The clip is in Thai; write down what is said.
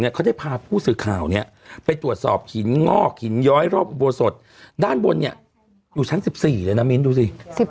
เขาได้พาผู้สื่อข่าวไปตรวจสอบหินงอกหินย้อยรอบอุโบสถด้านบนอยู่ชั้น๑๔เลยนะมิ้นดูสิ